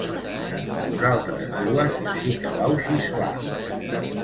Vosaltres dues sí que vau xisclar.